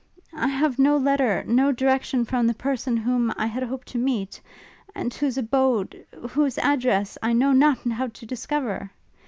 I have no letter, no direction from the person whom I had hoped to meet; and whose abode, whose address, I know not how to discover!